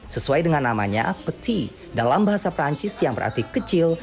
sesuai dengan namanya peti dalam bahasa perancis yang berarti kecil